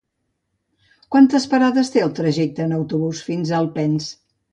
Quantes parades té el trajecte en autobús fins a Alpens?